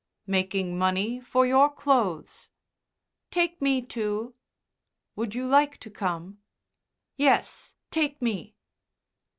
"Making money for your clothes." "Take me too." "Would you like to come?" "Yes. Take me."